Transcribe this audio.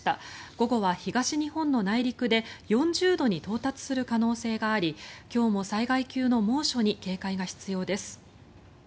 午後は東日本の内陸で４０度に到達する可能性があり今日も災害級の猛暑に警戒が必要です。